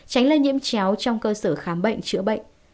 tránh lây nhiễm chéo trong cơ sở khám bệnh chữa bệnh